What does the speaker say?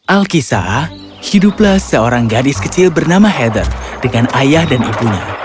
alkisah hiduplah seorang gadis kecil bernama heather dengan ayah dan ibunya